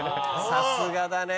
さすがだね。